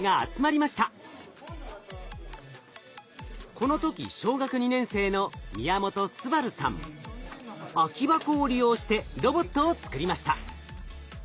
この時小学２年生の空き箱を利用してロボットを作りました。